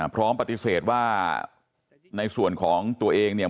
พร้อมปฏิเสธว่าในส่วนของตัวเองเนี่ย